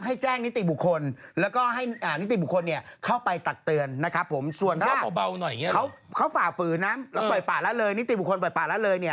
ให้แจ้งนิติบุคคล